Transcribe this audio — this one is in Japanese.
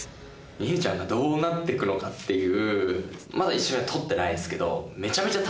望生ちゃんがどうなってくのかっていう。